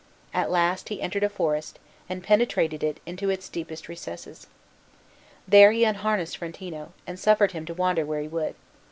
At last he entered a forest, and penetrated into its deepest recesses. There he unharnessed Frontino, and suffered him to wander where he would.